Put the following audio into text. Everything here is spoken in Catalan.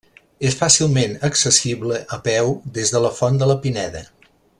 És fàcilment accessible, a peu, des de la Font de la Pineda.